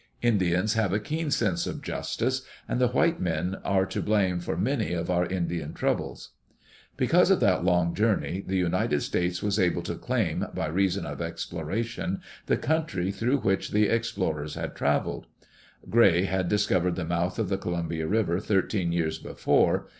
Indians have a keen sense of justice, and the white men are to blame for many of our Indian troubles. Because of that long journey, the United States was able to claim, by reason of exploration, the country through which the explorers had traveled. Gray had dis covered the mouth of the Columbia River thirteen years before.